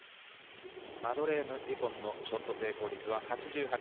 マドレーヌ・デュポンのショット成功率は８８％。